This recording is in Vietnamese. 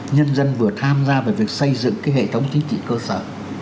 nhân dân vừa tham gia vào việc xây dựng cái hệ thống chính trị cơ sở